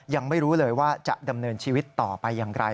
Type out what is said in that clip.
ยังไม่รู้เลยว่าจะดำเนินชีวิตต่อไปอย่างไร